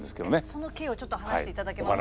その経緯をちょっと話していただけますか？